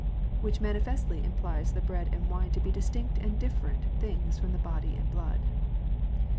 Which manifestly implies the bread and wine to be distinct and different things from the body and blood."